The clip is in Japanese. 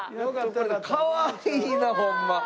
かわいいなホンマ。